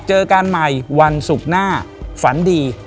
เจอกันใหม่วันศุกร์หน้าฝันดี